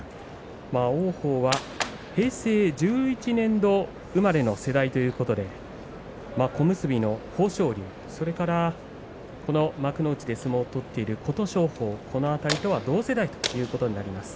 王鵬は平成１１年度生まれの世代ということで小結の豊昇龍それから幕内で相撲を取っている琴勝峰この辺りとは同世代ということになります。